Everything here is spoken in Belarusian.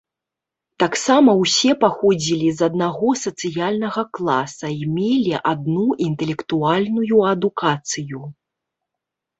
Таксама ўсе паходзілі з аднаго сацыяльнага класа і мелі адну інтэлектуальную адукацыю.